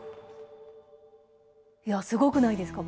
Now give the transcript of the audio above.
すごくないですか？